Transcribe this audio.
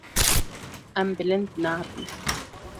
Em bilind nabin.